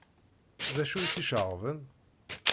D acu i tt-iceɣben?